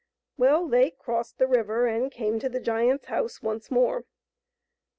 Well, they crossed the river and came to the giant's house once more.